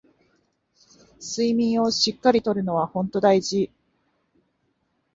睡眠をしっかり取るのはほんと大事